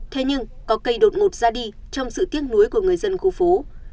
thế nhưng có cây đột ngột ra đi trong sự tiếc nuối của người dân khu phố